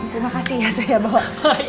terima kasih ya sayang